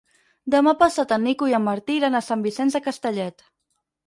Demà passat en Nico i en Martí iran a Sant Vicenç de Castellet.